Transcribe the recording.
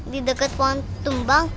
di deket pohon tumbang